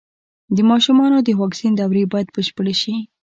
د ماشومانو د واکسین دورې بايد بشپړې شي.